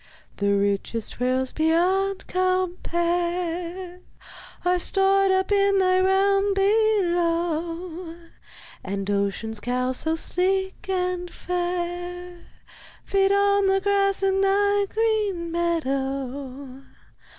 The richest pearls beyond compare Are stored up in thy realm below, And Ocean's cows so sleek and fair Feed on the grass in thy green meadow.